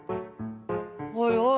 「おいおい